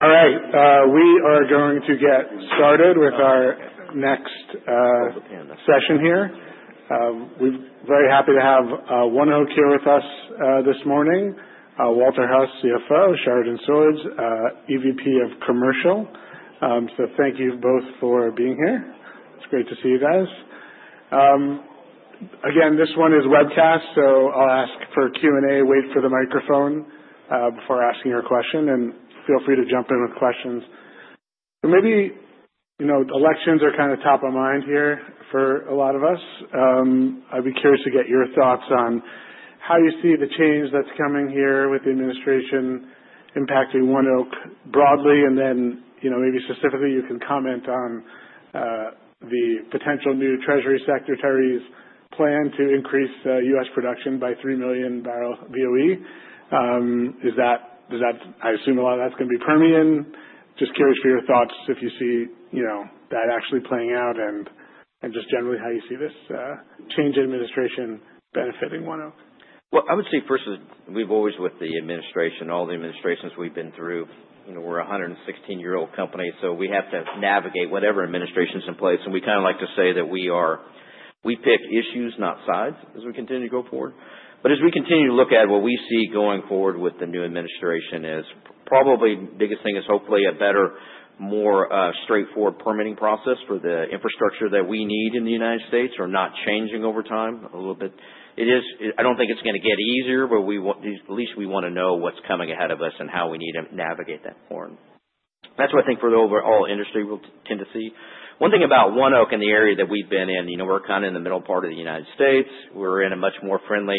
All right. We are going to get started with our next session here. We're very happy to have ONEOK here with us this morning. Walter Hulse, CFO, Sheridan Swords, EVP of Commercial. So thank you both for being here. It's great to see you guys. Again, this one is webcast, so I'll ask for Q&A, wait for the microphone before asking your question, and feel free to jump in with questions. So maybe elections are kind of top of mind here for a lot of us. I'd be curious to get your thoughts on how you see the change that's coming here with the administration impacting ONEOK broadly, and then maybe specifically you can comment on the potential new Treasury Secretary's plan to increase U.S. production by three million barrels of BOE. Is that, I assume, a lot of that's going to be Permian? Just curious for your thoughts if you see that actually playing out and just generally how you see this change in administration benefiting ONEOK? I would say first is we've always with the administration, all the administrations we've been through, we're a 116-year-old company, so we have to navigate whatever administration's in place. And we kind of like to say that we pick issues, not sides, as we continue to go forward. But as we continue to look at what we see going forward with the new administration, probably the biggest thing is hopefully a better, more straightforward permitting process for the infrastructure that we need in the United States or not changing over time a little bit. I don't think it's going to get easier, but at least we want to know what's coming ahead of us and how we need to navigate that forward. That's what I think for the overall industry we'll tend to see. One thing about ONEOK and the area that we've been in, we're kind of in the middle part of the United States. We're in a much more friendly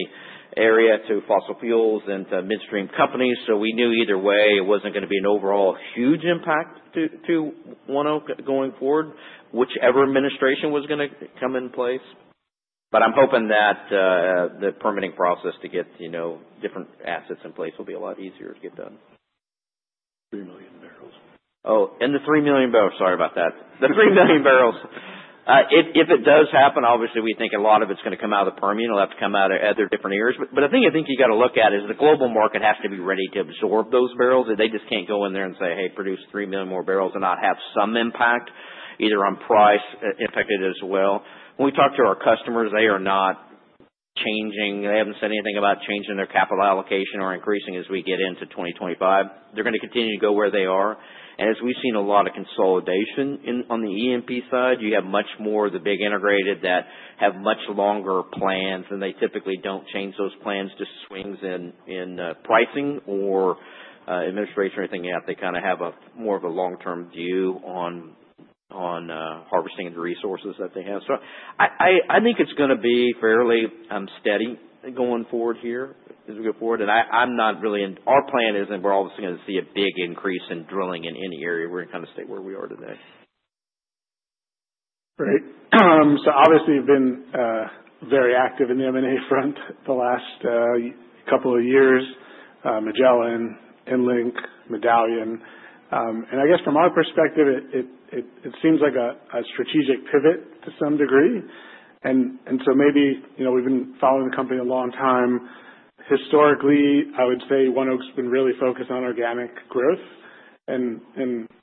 area to fossil fuels and to midstream companies, so we knew either way it wasn't going to be an overall huge impact to ONEOK going forward, whichever administration was going to come in place. But I'm hoping that the permitting process to get different assets in place will be a lot easier to get done. 3 million barrels. Oh, and the 3 million barrels, sorry about that. The 3 million barrels. If it does happen, obviously we think a lot of it's going to come out of Permian, it'll have to come out of other different areas. But the thing I think you've got to look at is the global market has to be ready to absorb those barrels. They just can't go in there and say, "Hey, produce 3 million more barrels and not have some impact either on price affected as well." When we talk to our customers, they are not changing. They haven't said anything about changing their capital allocation or increasing as we get into 2025. They're going to continue to go where they are. And as we've seen a lot of consolidation on the E&P side, you have much more of the big integrateds that have much longer plans and they typically don't change those plans to swings in pricing or administration or anything yet. They kind of have more of a long-term view on harvesting the resources that they have. So I think it's going to be fairly steady going forward here as we go forward. And our plan isn't we're obviously going to see a big increase in drilling in any area. We're going to kind of stay where we are today. Great. So obviously you've been very active in the M&A front the last couple of years, Magellan, EnLink, Medallion. And I guess from our perspective, it seems like a strategic pivot to some degree. And so maybe we've been following the company a long time. Historically, I would say ONEOK's been really focused on organic growth. And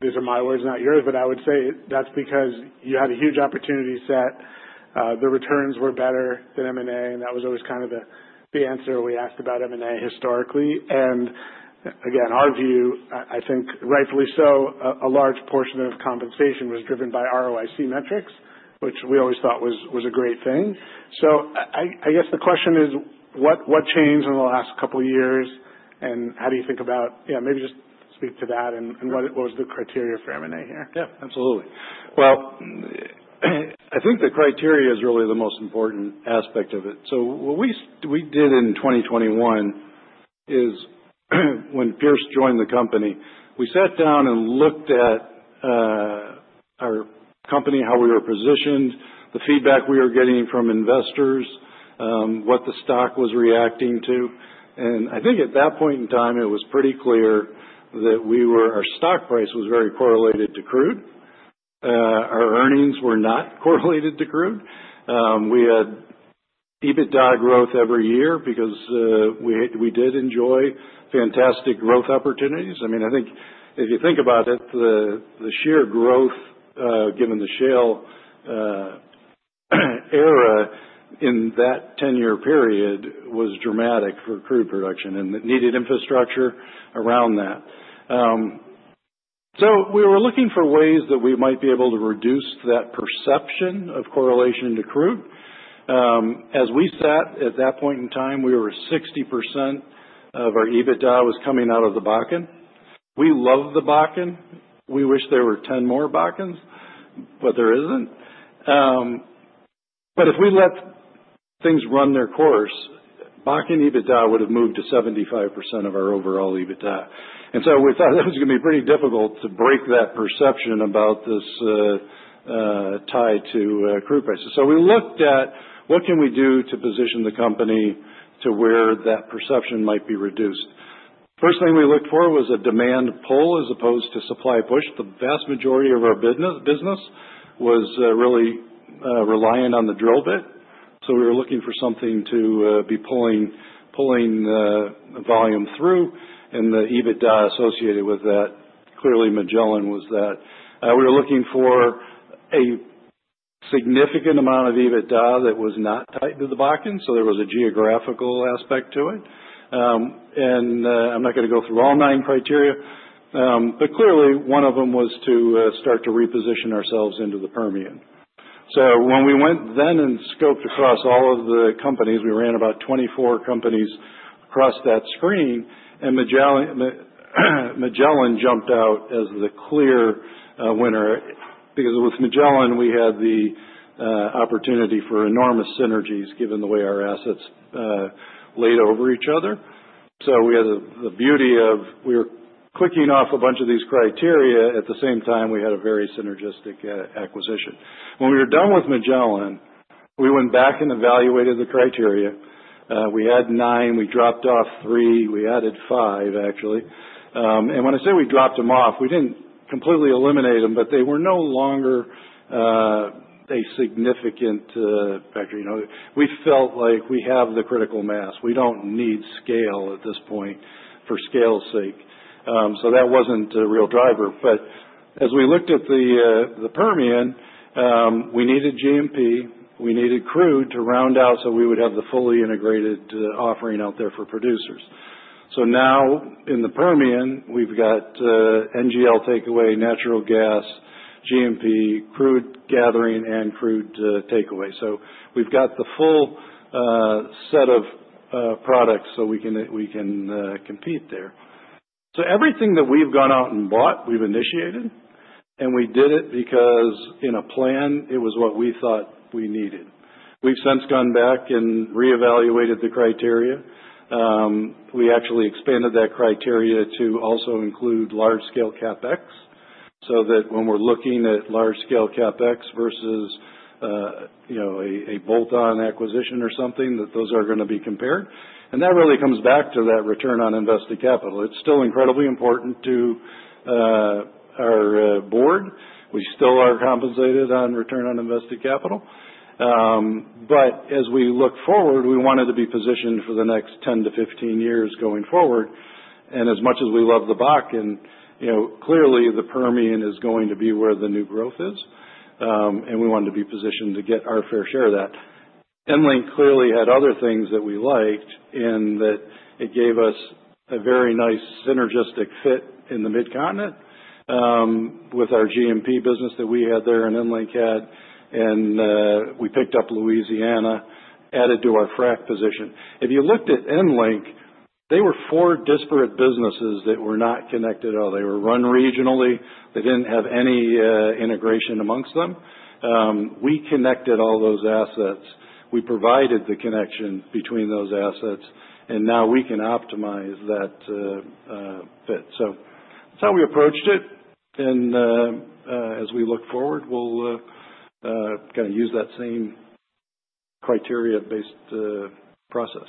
these are my words, not yours, but I would say that's because you had a huge opportunity set. The returns were better than M&A, and that was always kind of the answer we asked about M&A historically. And again, our view, I think rightfully so, a large portion of compensation was driven by ROIC metrics, which we always thought was a great thing. So I guess the question is, what changed in the last couple of years and how do you think about, yeah, maybe just speak to that and what was the criteria for M&A here? Yeah, absolutely. Well, I think the criteria is really the most important aspect of it. So what we did in 2021 is when Pierce joined the company, we sat down and looked at our company, how we were positioned, the feedback we were getting from investors, what the stock was reacting to. And I think at that point in time, it was pretty clear that our stock price was very correlated to crude. Our earnings were not correlated to crude. We had EBITDA growth every year because we did enjoy fantastic growth opportunities. I mean, I think if you think about it, the sheer growth given the shale era in that 10-year period was dramatic for crude production and needed infrastructure around that. So we were looking for ways that we might be able to reduce that perception of correlation to crude. As we sat at that point in time, 60% of our EBITDA was coming out of the Bakken. We love the Bakken. We wish there were 10 more Bakkens, but there isn't, but if we let things run their course, Bakken EBITDA would have moved to 75% of our overall EBITDA, and so we thought that was going to be pretty difficult to break that perception about this tie to crude prices, so we looked at what can we do to position the company to where that perception might be reduced. First thing we looked for was a demand pull as opposed to supply push. The vast majority of our business was really reliant on the drill bit, so we were looking for something to be pulling volume through, and the EBITDA associated with that, clearly Magellan was that. We were looking for a significant amount of EBITDA that was not tied to the Bakken, so there was a geographical aspect to it. And I'm not going to go through all nine criteria, but clearly one of them was to start to reposition ourselves into the Permian. So when we went then and scoped across all of the companies, we ran about 24 companies across that screen, and Magellan jumped out as the clear winner because with Magellan, we had the opportunity for enormous synergies given the way our assets laid over each other. So we had the beauty of we were clicking off a bunch of these criteria. At the same time, we had a very synergistic acquisition. When we were done with Magellan, we went back and evaluated the criteria. We had nine. We dropped off three. We added five, actually. And when I say we dropped them off, we didn't completely eliminate them, but they were no longer a significant factor. We felt like we have the critical mass. We don't need scale at this point for scale's sake. So that wasn't a real driver. But as we looked at the Permian, we needed G&P. We needed crude to round out so we would have the fully integrated offering out there for producers. So now in the Permian, we've got NGL takeaway, natural gas, G&P, crude gathering, and crude takeaway. So we've got the full set of products so we can compete there. So everything that we've gone out and bought, we've initiated, and we did it because in a plan, it was what we thought we needed. We've since gone back and reevaluated the criteria. We actually expanded that criteria to also include large-scale CapEx so that when we're looking at large-scale CapEx versus a bolt-on acquisition or something, that those are going to be compared, and that really comes back to that return on invested capital. It's still incredibly important to our board. We still are compensated on return on invested capital, but as we look forward, we wanted to be positioned for the next 10-15 years going forward, and as much as we love the Bakken, clearly the Permian is going to be where the new growth is, and we wanted to be positioned to get our fair share of that. EnLink clearly had other things that we liked in that it gave us a very nice synergistic fit in the mid-continent with our G&P business that we had there and EnLink had. And we picked up Louisiana, added to our frac position. If you looked at EnLink, they were four disparate businesses that were not connected at all. They were run regionally. They didn't have any integration amongst them. We connected all those assets. We provided the connection between those assets, and now we can optimize that fit. So that's how we approached it. And as we look forward, we'll kind of use that same criteria-based process.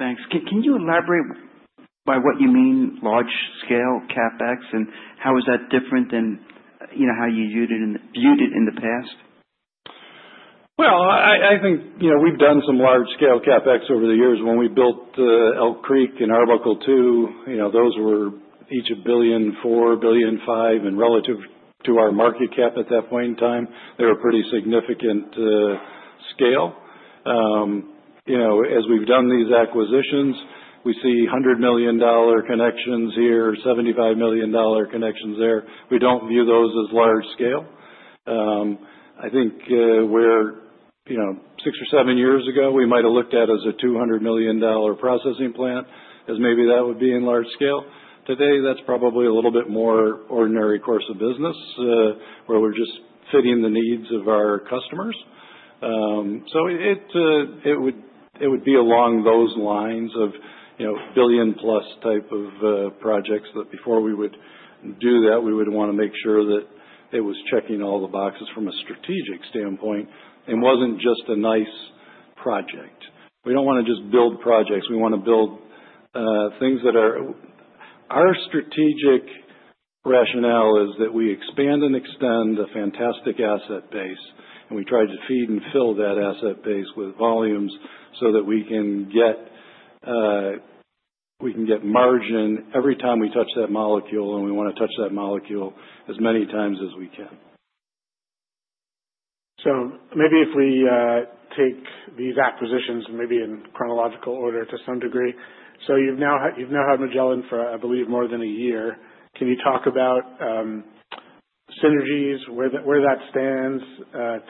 Thanks. Can you elaborate on what you mean by large-scale CapEx and how is that different than how you viewed it in the past? I think we've done some large-scale CapEx over the years. When we built Elk Creek and Arbuckle II, those were each $1.4 billion, $1.5 billion, and relative to our market cap at that point in time, they were pretty significant scale. As we've done these acquisitions, we see $100 million connections here, $75 million connections there. We don't view those as large scale. I think where six or seven years ago, we might have looked at as a $200 million processing plant as maybe that would be in large scale. Today, that's probably a little bit more ordinary course of business where we're just fitting the needs of our customers. It would be along those lines of billion-plus type of projects that before we would do that, we would want to make sure that it was checking all the boxes from a strategic standpoint and wasn't just a nice project. We don't want to just build projects. We want to build things that are our strategic rationale is that we expand and extend a fantastic asset base, and we try to feed and fill that asset base with volumes so that we can get margin every time we touch that molecule, and we want to touch that molecule as many times as we can. Maybe if we take these acquisitions maybe in chronological order to some degree. You've now had Magellan for, I believe, more than a year. Can you talk about synergies, where that stands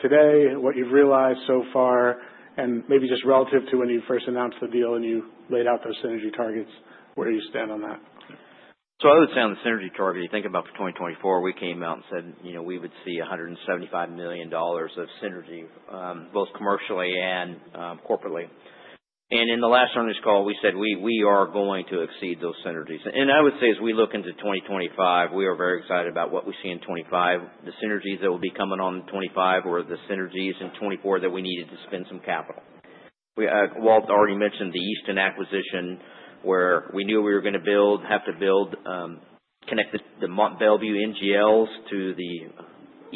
today, what you've realized so far, and maybe just relative to when you first announced the deal and you laid out those synergy targets, where you stand on that? I would say on the synergy target, you think about for 2024, we came out and said we would see $175 million of synergy, both commercially and corporately. In the last earnings call, we said we are going to exceed those synergies. I would say as we look into 2025, we are very excited about what we see in 2025. The synergies that will be coming on 2025 were the synergies in 2024 that we needed to spend some capital. Walt already mentioned the Easton acquisition where we knew we were going to have to connect the Belvieu NGLs to the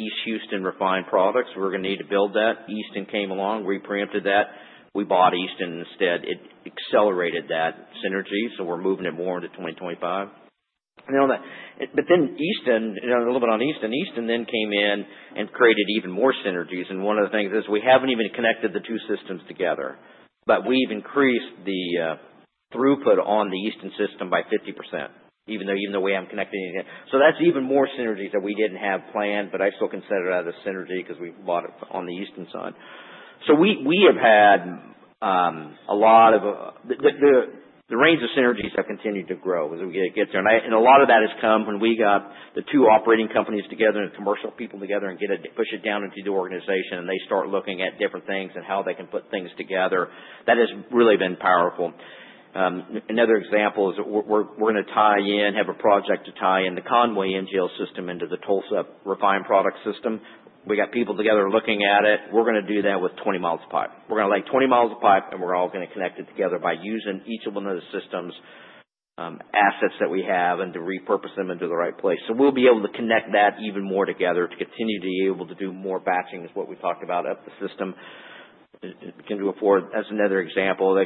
East Houston refined products. We are going to need to build that. Easton came along, reprioritized that. We bought Easton instead. It accelerated that synergy, so we are moving it more into 2025. But then Easton, a little bit on Easton. Easton then came in and created even more synergies. One of the things is we haven't even connected the two systems together, but we've increased the throughput on the Easton system by 50%, even though we haven't connected anything. That's even more synergies that we didn't have planned, but I still consider that a synergy because we bought it on the Easton side. We have had a lot of the range of synergies have continued to grow as we get there. A lot of that has come when we got the two operating companies together and commercial people together and push it down into the organization, and they start looking at different things and how they can put things together. That has really been powerful. Another example is we're going to tie in, have a project to tie in the Conway NGL system into the Tulsa refined product system. We got people together looking at it. We're going to do that with 20 miles of pipe. We're going to lay 20 miles of pipe, and we're all going to connect it together by using each of one of the systems' assets that we have and to repurpose them into the right place. So we'll be able to connect that even more together to continue to be able to do more batching is what we talked about up the system. That's another example. The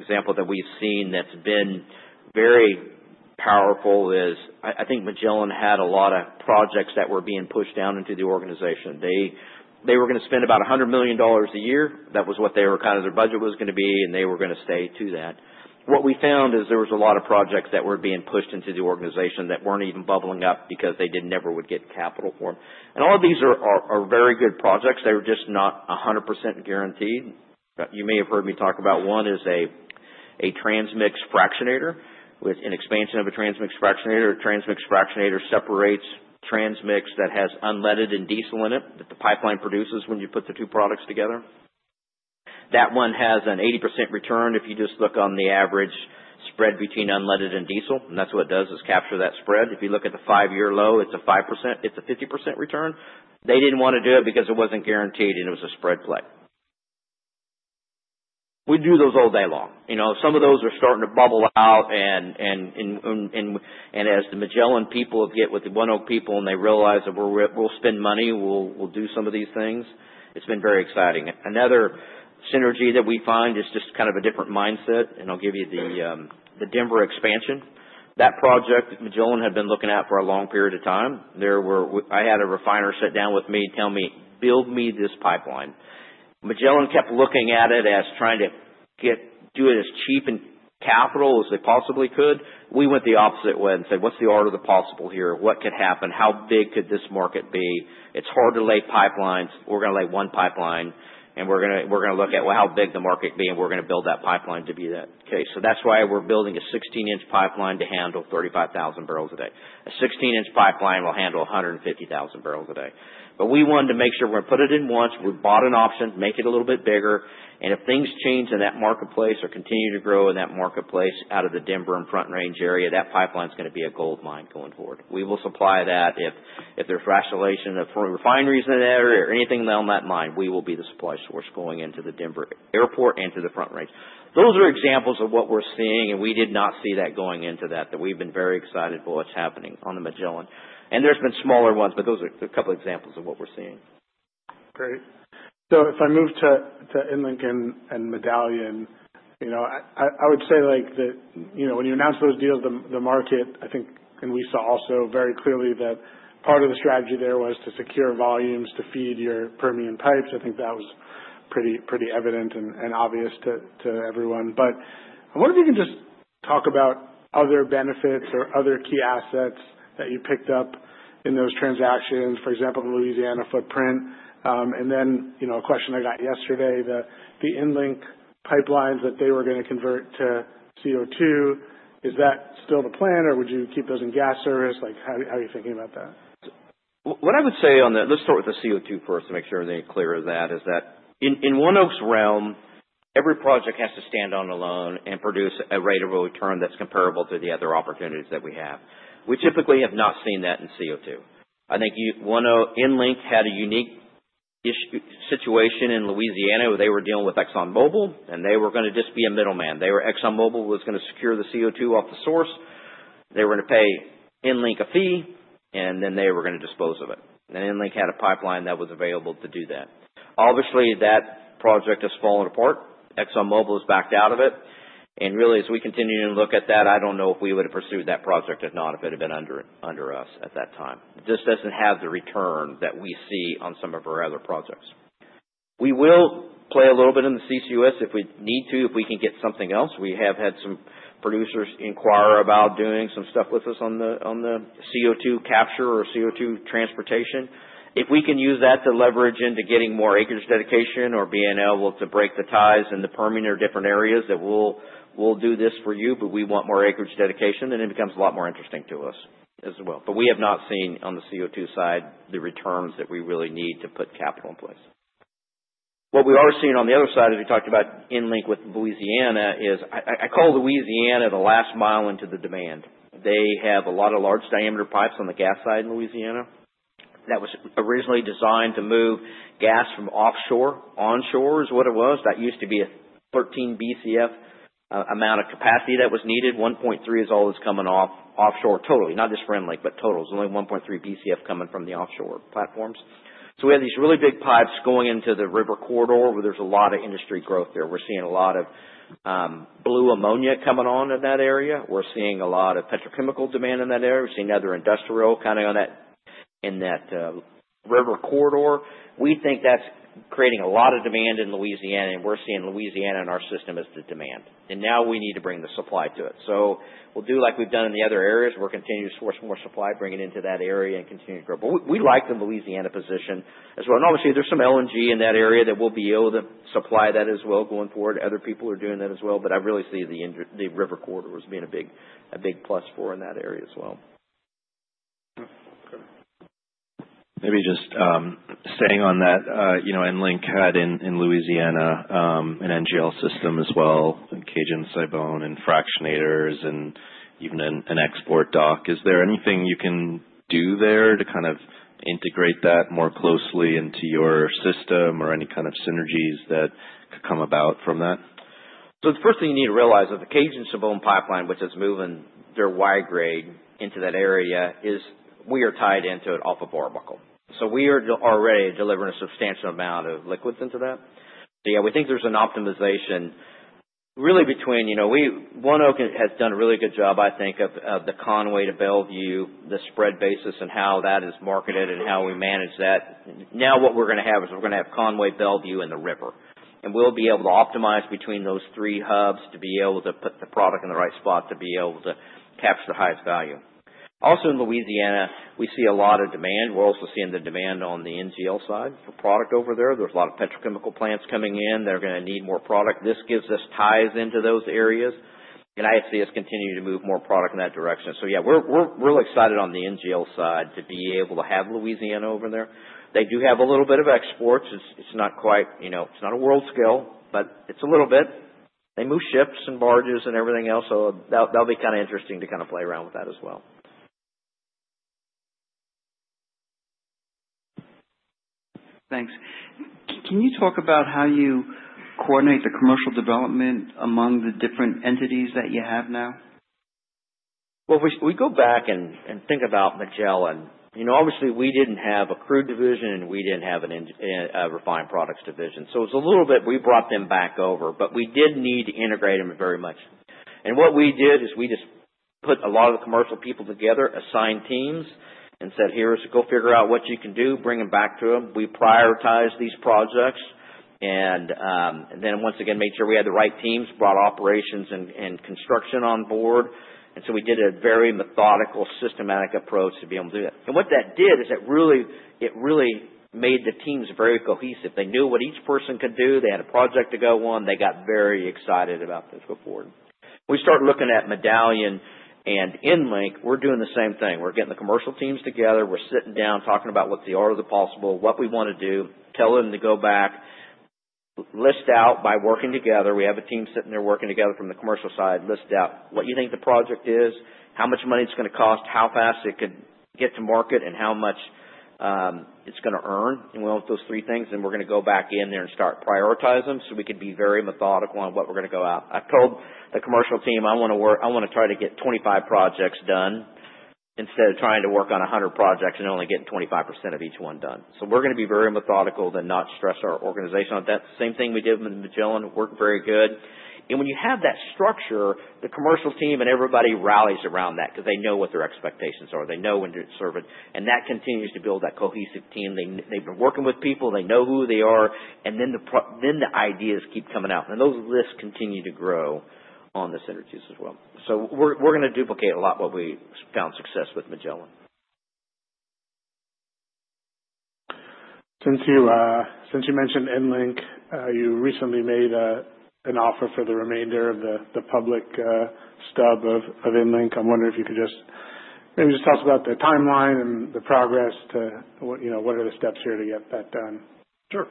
example that we've seen that's been very powerful is I think Magellan had a lot of projects that were being pushed down into the organization. They were going to spend about $100 million a year. That was what they were kind of their budget was going to be, and they were going to stay to that. What we found is there was a lot of projects that were being pushed into the organization that weren't even bubbling up because they never would get capital for them, and all of these are very good projects. They were just not 100% guaranteed. You may have heard me talk about one is a transmix fractionator. With an expansion of a transmix fractionator, a transmix fractionator separates transmix that has unleaded and diesel in it that the pipeline produces when you put the two products together. That one has an 80% return if you just look on the average spread between unleaded and diesel, and that's what it does is capture that spread. If you look at the five-year low, it's a 5%. It's a 50% return. They didn't want to do it because it wasn't guaranteed and it was a spread play. We do those all day long. Some of those are starting to bubble out. And as the Magellan people get with the ONEOK people and they realize that we'll spend money, we'll do some of these things, it's been very exciting. Another synergy that we find is just kind of a different mindset. And I'll give you the Denver expansion. That project, Magellan had been looking at for a long period of time. I had a refiner sit down with me, tell me, "Build me this pipeline." Magellan kept looking at it as trying to do it as cheap in capital as they possibly could. We went the opposite way and said, "What's the order of the possible here? What could happen? How big could this market be? It's hard to lay pipelines. We're going to lay one pipeline, and we're going to look at how big the market could be, and we're going to build that pipeline to be that case." So that's why we're building a 16-inch pipeline to handle 35,000 barrels a day. A 16-inch pipeline will handle 150,000 barrels a day. But we wanted to make sure we're going to put it in once. We bought an option, make it a little bit bigger. And if things change in that marketplace or continue to grow in that marketplace out of the Denver and Front Range area, that pipeline is going to be a gold mine going forward. We will supply that if there's fractionation or refineries in that area or anything along that line. We will be the supply source going into the Denver airport and to the Front Range. Those are examples of what we're seeing, and we did not see that going into that. We've been very excited for what's happening on the Magellan. And there's been smaller ones, but those are a couple of examples of what we're seeing. Great. So if I move to EnLink and Medallion, I would say that when you announced those deals, the market, I think, and we saw also very clearly that part of the strategy there was to secure volumes to feed your Permian pipes. I think that was pretty evident and obvious to everyone. But I wonder if you can just talk about other benefits or other key assets that you picked up in those transactions, for example, the Louisiana footprint. And then a question I got yesterday, the EnLink pipelines that they were going to convert to CO2. Is that still the plan, or would you keep those in gas service? How are you thinking about that? What I would say on that, let's start with the CO2 first to make sure they're clear of that, is that in ONEOK's realm, every project has to stand on its own and produce a rate of return that's comparable to the other opportunities that we have. We typically have not seen that in CO2. I think EnLink had a unique situation in Louisiana. They were dealing with ExxonMobil, and they were going to just be a middleman. ExxonMobil was going to secure the CO2 off the source. They were going to pay EnLink a fee, and then they were going to dispose of it. EnLink had a pipeline that was available to do that. Obviously, that project has fallen apart. ExxonMobil has backed out of it. Really, as we continue to look at that, I don't know if we would have pursued that project if not, if it had been under us at that time. It just doesn't have the return that we see on some of our other projects. We will play a little bit in the CCUS if we need to, if we can get something else. We have had some producers inquire about doing some stuff with us on the CO2 capture or CO2 transportation. If we can use that to leverage into getting more acreage dedication or being able to break the ties in the Permian or different areas that we'll do this for you, but we want more acreage dedication, then it becomes a lot more interesting to us as well. But we have not seen on the CO2 side the returns that we really need to put capital in place. What we are seeing on the other side, as we talked about EnLink with Louisiana, is I call Louisiana the last mile into the demand. They have a lot of large diameter pipes on the gas side in Louisiana. That was originally designed to move gas from offshore. Onshore is what it was. That used to be a 13 BCF amount of capacity that was needed. 1.3 is all that's coming offshore totally. Not just for EnLink, but total. There's only 1.3 BCF coming from the offshore platforms. So we have these really big pipes going into the river corridor where there's a lot of industry growth there. We're seeing a lot of blue ammonia coming on in that area. We're seeing a lot of petrochemical demand in that area. We're seeing other industrial kind of in that river corridor. We think that's creating a lot of demand in Louisiana, and we're seeing Louisiana in our system as the demand. And now we need to bring the supply to it. So we'll do like we've done in the other areas. We'll continue to source more supply, bring it into that area, and continue to grow. But we like the Louisiana position as well. And obviously, there's some LNG in that area that we'll be able to supply that as well going forward. Other people are doing that as well. But I really see the river corridor as being a big plus for in that area as well. Maybe just staying on that, EnLink had in Louisiana an NGL system as well, Cajun-Sibon and fractionators and even an export dock. Is there anything you can do there to kind of integrate that more closely into your system or any kind of synergies that could come about from that? So the first thing you need to realize is the Cajun-Sibon pipeline, which is moving their Y-grade into that area, is we are tied into it off of Arbuckle. So yeah, we think there's an optimization really between. ONEOK has done a really good job, I think, of the Conway to Mont Belvieu, the spread basis and how that is marketed and how we manage that. Now what we're going to have is we're going to have Conway, Mont Belvieu and the river. And we'll be able to optimize between those three hubs to be able to put the product in the right spot to be able to capture the highest value. Also in Louisiana, we see a lot of demand. We're also seeing the demand on the NGL side for product over there. There's a lot of petrochemical plants coming in. They're going to need more product. This gives us ties into those areas, and ISC has continued to move more product in that direction. Yeah, we're really excited on the NGL side to be able to have Louisiana over there. They do have a little bit of exports. It's not quite a world scale, but it's a little bit. They move ships and barges and everything else. That'll be kind of interesting to kind of play around with that as well. Thanks. Can you talk about how you coordinate the commercial development among the different entities that you have now? We go back and think about Magellan. Obviously, we didn't have a crude division, and we didn't have a refined products division. So it's a little bit we brought them back over, but we did need to integrate them very much. And what we did is we just put a lot of the commercial people together, assigned teams, and said, "Here's go figure out what you can do, bring them back to them." We prioritized these projects and then once again made sure we had the right teams, brought operations and construction on board. And so we did a very methodical, systematic approach to be able to do that. And what that did is it really made the teams very cohesive. They knew what each person could do. They had a project to go on. They got very excited about this go forward. We start looking at Medallion and EnLink. We're doing the same thing. We're getting the commercial teams together. We're sitting down talking about what's the order of the possible, what we want to do, tell them to go back, list out by working together. We have a team sitting there working together from the commercial side, list out what you think the project is, how much money it's going to cost, how fast it could get to market, and how much it's going to earn. And we want those three things, and we're going to go back in there and start prioritizing them so we can be very methodical on what we're going to go out. I've told the commercial team, "I want to try to get 25 projects done instead of trying to work on 100 projects and only getting 25% of each one done." So we're going to be very methodical to not stress our organization on that. Same thing we did with Magellan. It worked very good. And when you have that structure, the commercial team and everybody rallies around that because they know what their expectations are. They know when to serve. And that continues to build that cohesive team. They've been working with people. They know who they are. And then the ideas keep coming out. And those lists continue to grow on the synergies as well. So we're going to duplicate a lot what we found success with Magellan. Since you mentioned EnLink, you recently made an offer for the remainder of the public stub of EnLink. I'm wondering if you could just maybe just talk about the timeline and the progress to what are the steps here to get that done. Sure.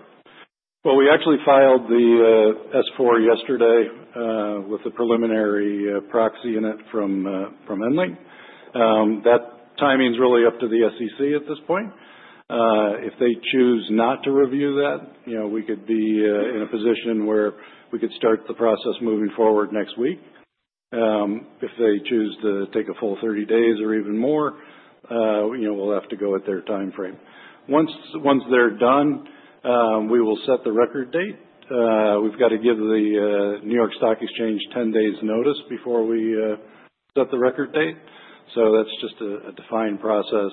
Well, we actually filed the S4 yesterday with the preliminary proxy in it from EnLink. That timing is really up to the SEC at this point. If they choose not to review that, we could be in a position where we could start the process moving forward next week. If they choose to take a full 30 days or even more, we'll have to go at their timeframe. Once they're done, we will set the record date. We've got to give the New York Stock Exchange 10 days notice before we set the record date. So that's just a defined process.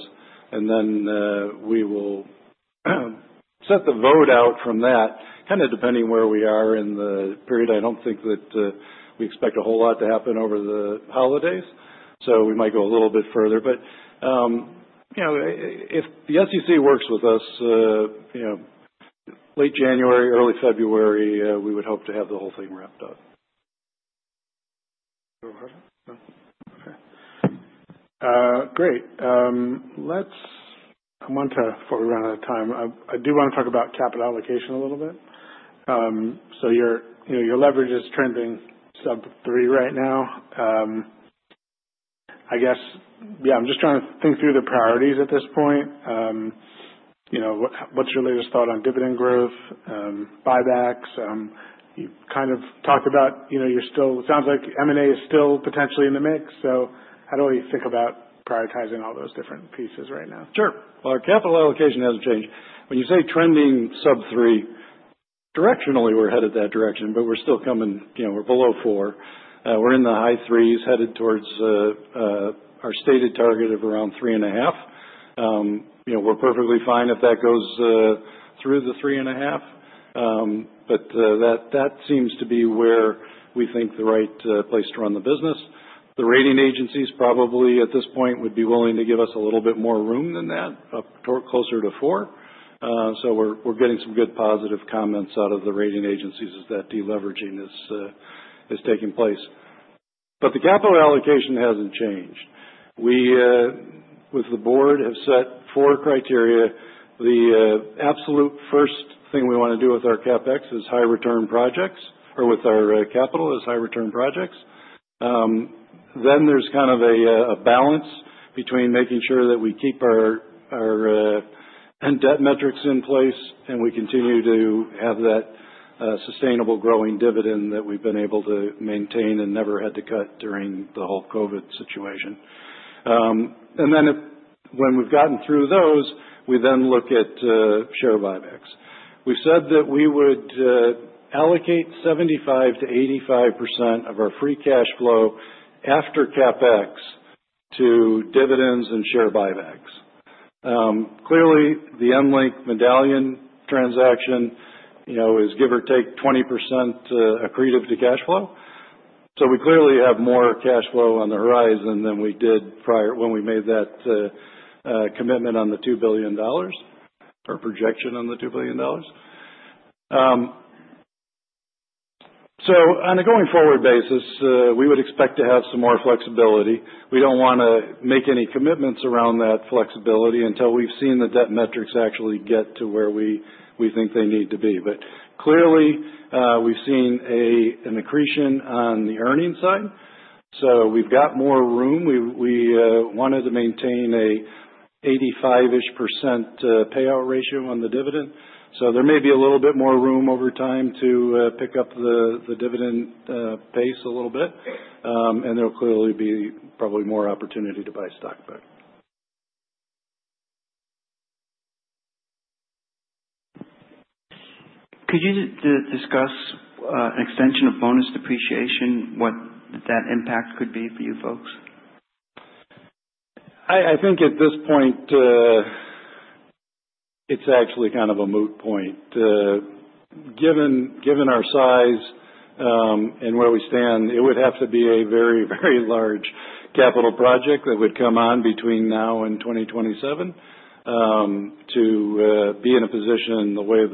And then we will set the vote out from that, kind of depending where we are in the period. I don't think that we expect a whole lot to happen over the holidays. So we might go a little bit further. But if the SEC works with us, late January, early February, we would hope to have the whole thing wrapped up. Okay. Great. I want to, before we run out of time, I do want to talk about capital allocation a little bit. So your leverage is trending sub-3 right now. I guess, yeah, I'm just trying to think through the priorities at this point. What's your latest thought on dividend growth, buybacks? You kind of talked about you're still it sounds like M&A is still potentially in the mix. So how do you think about prioritizing all those different pieces right now? Sure. Our capital allocation hasn't changed. When you say trending sub-3, directionally we're headed that direction, but we're still coming in below 4. We're in the high 3s, headed towards our stated target of around 3.5. We're perfectly fine if that goes through the 3.5. But that seems to be where we think the right place to run the business. The rating agencies probably at this point would be willing to give us a little bit more room than that, closer to 4. So we're getting some good positive comments out of the rating agencies as that deleveraging is taking place. But the capital allocation hasn't changed. We, with the board, have set four criteria. The absolute first thing we want to do with our CapEx is high return projects or with our capital is high return projects. Then there's kind of a balance between making sure that we keep our debt metrics in place and we continue to have that sustainable growing dividend that we've been able to maintain and never had to cut during the whole COVID situation, and then when we've gotten through those, we then look at share buybacks. We said that we would allocate 75%-85% of our free cash flow after CapEx to dividends and share buybacks, so we clearly have more cash flow on the horizon than we did prior when we made that commitment on the $2 billion or projection on the $2 billion, so on a going forward basis, we would expect to have some more flexibility. We don't want to make any commitments around that flexibility until we've seen the debt metrics actually get to where we think they need to be. But clearly, we've seen an accretion on the earnings side. So we've got more room. We wanted to maintain an 85-ish% payout ratio on the dividend. So there may be a little bit more room over time to pick up the dividend pace a little bit. And there'll clearly be probably more opportunity to buy stock back. Could you discuss an extension of bonus depreciation, what that impact could be for you folks? I think at this point, it's actually kind of a moot point. Given our size and where we stand, it would have to be a very, very large capital project that would come on between now and 2027 to be in a position the way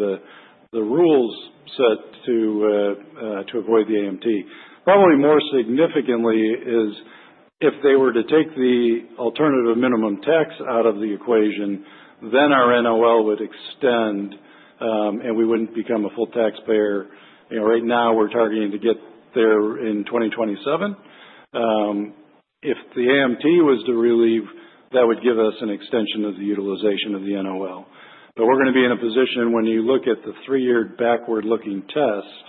the rules set to avoid the AMT. Probably more significantly is if they were to take the alternative minimum tax out of the equation, then our NOL would extend and we wouldn't become a full taxpayer. Right now, we're targeting to get there in 2027. If the AMT was to relieve, that would give us an extension of the utilization of the NOL. But we're going to be in a position when you look at the three-year backward-looking test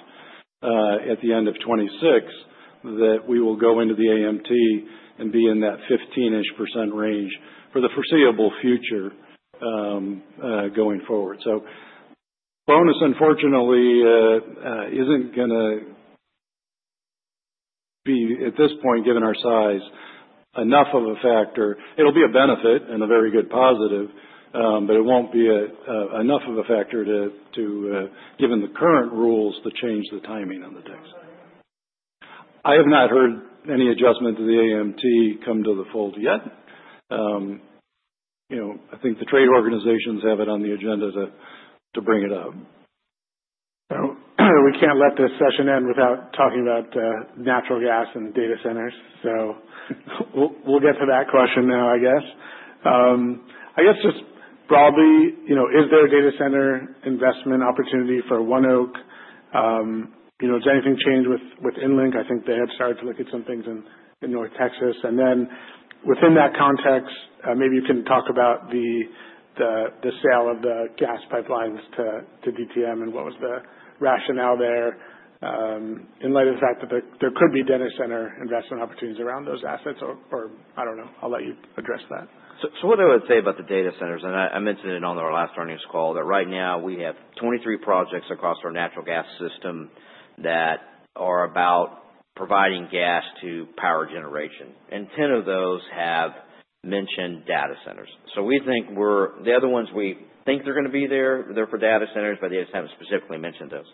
at the end of 2026 that we will go into the AMT and be in that 15-ish% range for the foreseeable future going forward. So bonus, unfortunately, isn't going to be, at this point, given our size, enough of a factor. It'll be a benefit and a very good positive, but it won't be enough of a factor given the current rules to change the timing on the tax. I have not heard any adjustment to the AMT come to the fore yet. I think the trade organizations have it on the agenda to bring it up. We can't let this session end without talking about natural gas and data centers. So we'll get to that question now, I guess. I guess just broadly, is there a data center investment opportunity for ONEOK? Has anything changed with EnLink? I think they have started to look at some things in North Texas. And then within that context, maybe you can talk about the sale of the gas pipelines to DTM and what was the rationale there in light of the fact that there could be data center investment opportunities around those assets or I don't know. I'll let you address that. So what I would say about the data centers, and I mentioned it on our last earnings call, that right now we have 23 projects across our natural gas system that are about providing gas to power generation. And 10 of those have mentioned data centers. So we think with the other ones we think they're going to be there, they're for data centers, but they just haven't specifically mentioned those.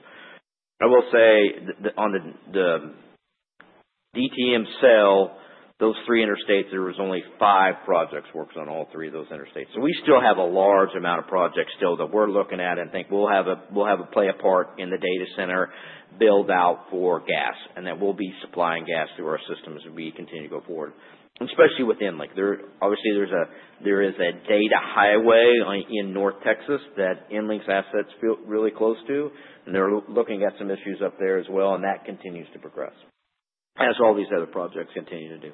I will say on the DTM sale, those three interstates, there was only five projects worked on all three of those interstates. So we still have a large amount of projects still that we're looking at and think we'll have a part in the data center build out for gas and that we'll be supplying gas through our systems as we continue to go forward. And especially with EnLink, obviously there is a data highway in North Texas that EnLink's assets feel really close to. And they're looking at some issues up there as well. And that continues to progress as all these other projects continue to do.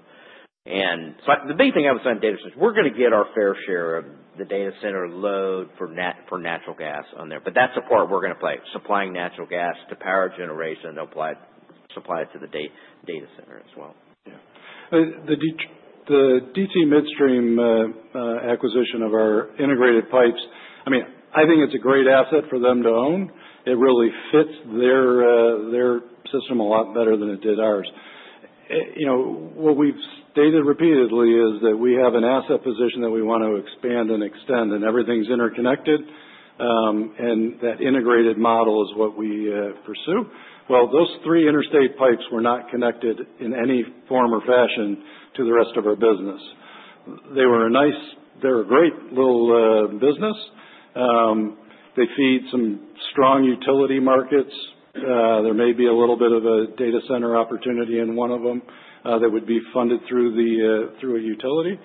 And the big thing I would say on data centers, we're going to get our fair share of the data center load for natural gas on there. But that's the part we're going to play, supplying natural gas to power generation and supply it to the data center as well. Yeah. The DT Midstream acquisition of our integrated pipes, I mean, I think it's a great asset for them to own. It really fits their system a lot better than it did ours. What we've stated repeatedly is that we have an asset position that we want to expand and extend and everything's interconnected. And that integrated model is what we pursue. Those three interstate pipes were not connected in any form or fashion to the rest of our business. They're a great little business. They feed some strong utility markets. There may be a little bit of a data center opportunity in one of them that would be funded through a utility.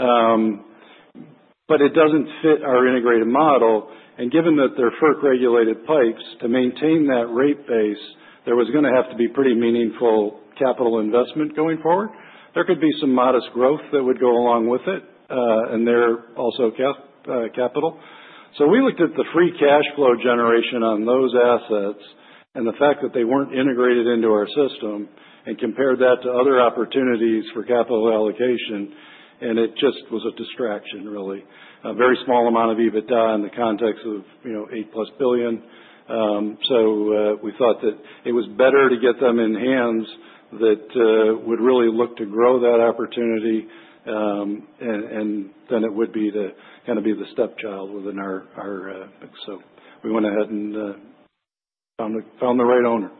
But it doesn't fit our integrated model. And given that they're FERC-regulated pipes, to maintain that rate base, there was going to have to be pretty meaningful capital investment going forward. There could be some modest growth that would go along with it. And they're also capital. So we looked at the free cash flow generation on those assets and the fact that they weren't integrated into our system and compared that to other opportunities for capital allocation. And it just was a distraction, really. A very small amount of EBITDA in the context of $8+ billion. So we thought that it was better to get them in hands that would really look to grow that opportunity than it would be to kind of be the stepchild within our mix. So we went ahead and found the right owner.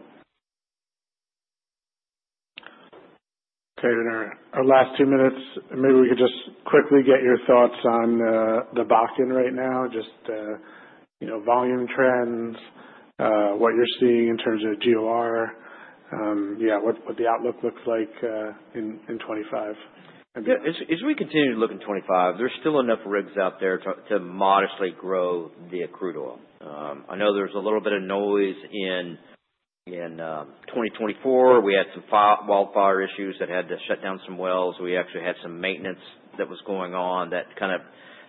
Okay. In our last two minutes, maybe we could just quickly get your thoughts on the Bakken right now, just volume trends, what you're seeing in terms of GOR, yeah, what the outlook looks like in 2025? Yeah. As we continue to look in 2025, there's still enough rigs out there to modestly grow the crude oil. I know there's a little bit of noise in 2024. We had some wildfire issues that had to shut down some wells. We actually had some maintenance that was going on that kind of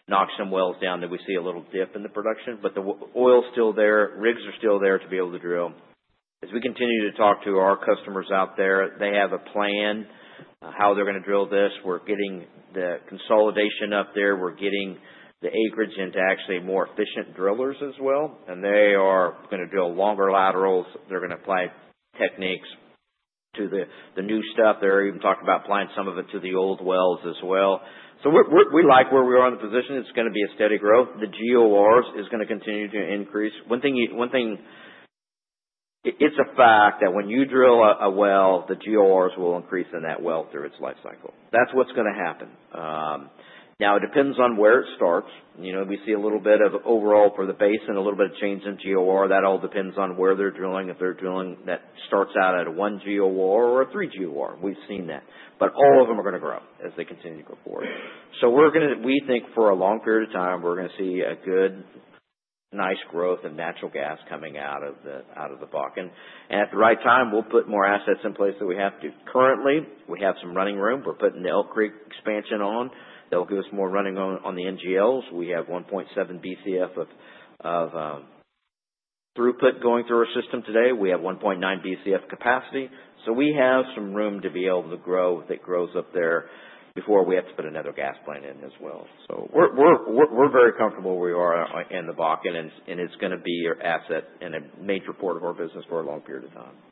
knocked some wells down that we see a little dip in the production. But the oil's still there. Rigs are still there to be able to drill. As we continue to talk to our customers out there, they have a plan how they're going to drill this. We're getting the consolidation up there. We're getting the acreage into actually more efficient drillers as well. And they are going to drill longer laterals. They're going to apply techniques to the new stuff. They're even talking about applying some of it to the old wells as well. We like where we are in the position. It's going to be a steady growth. The GORs is going to continue to increase. One thing, it's a fact that when you drill a well, the GORs will increase in that well through its life cycle. That's what's going to happen. Now, it depends on where it starts. We see a little bit of uplift for the basin and a little bit of change in GOR. That all depends on where they're drilling. If they're drilling, that starts out at a one GOR or a three GOR. We've seen that. But all of them are going to grow as they continue to go forward. We think for a long period of time, we're going to see a good, nice growth in natural gas coming out of the Bakken. And at the right time, we'll put more assets in place that we have to. Currently, we have some running room. We're putting the Elk Creek expansion on. That'll give us more running on the NGLs. We have 1.7 BCF of throughput going through our system today. We have 1.9 BCF capacity. So we have some room to be able to grow that grows up there before we have to put another gas plant in as well. So we're very comfortable where we are in the Bakken. And it's going to be your asset and a major part of our business for a long period of time.